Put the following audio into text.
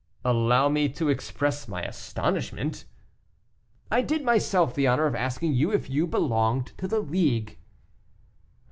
"Allow me to express my astonishment " "I did myself the honor of asking you if you belonged to the League."